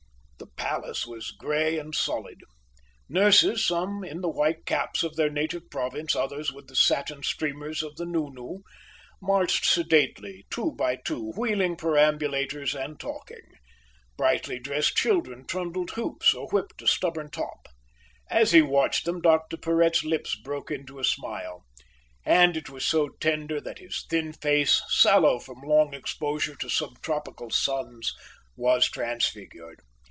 The palace was grey and solid. Nurses, some in the white caps of their native province, others with the satin streamers of the nounou, marched sedately two by two, wheeling perambulators and talking. Brightly dressed children trundled hoops or whipped a stubborn top. As he watched them, Dr Porhoët's lips broke into a smile, and it was so tender that his thin face, sallow from long exposure to subtropical suns, was transfigured.